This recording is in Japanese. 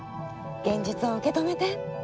現実を受け止めて。